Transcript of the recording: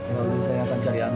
yaudah saya akan cari ana